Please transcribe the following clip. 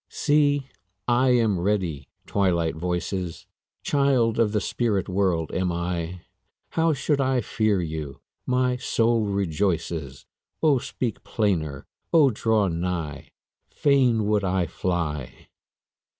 See, I am ready, Twilight voices! Child of the spirit world am I; How should I fear you? my soul rejoices, O speak plainer! O draw nigh! Fain would I fly!